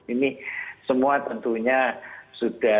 ini semua tentunya sudah